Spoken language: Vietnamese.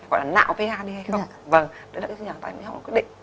gọi là nạo va đi hay không